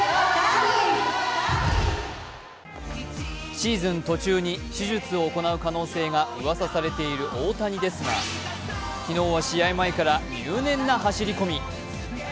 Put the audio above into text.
シーズン途中に手術を行う可能性がうわさされている大谷ですが、昨日は試合前から入念な走り込み。